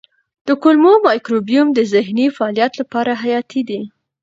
د کولمو مایکروبیوم د ذهني فعالیت لپاره حیاتي دی.